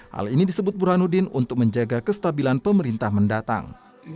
hal ini disebut burhanuddin untuk menjaga kestabilan pemerintah mendatang